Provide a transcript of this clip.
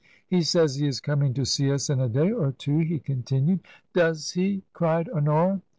" He says he is coming to see us in a day or two," he continued. " Does he ?" cried Honora.